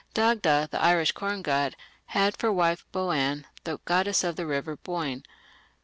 Dagda, the Irish corn god, had for wife Boann, the goddess of the river Boyne.